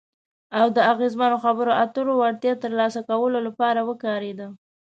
او د اغیزمنو خبرو اترو وړتیا ترلاسه کولو لپاره وکارېده.